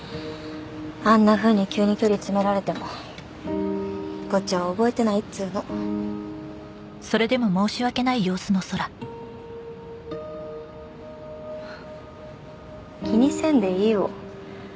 あんなふうに急に距離詰められてもこっちは覚えてないっつうの気にせんでいいよ